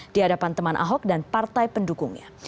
di hadapan teman ahok dan partai pendukungnya